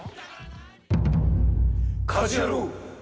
『家事ヤロウ！！！』。